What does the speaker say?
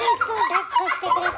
だっこしてくれて。